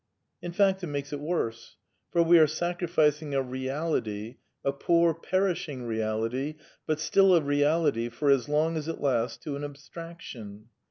In fact it makes it worse, for we are sacrificing a reality, a poor, perishing reality, but still a reality for as long as it lasts, to an abstraction.